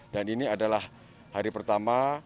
dan ini adalah hari pertama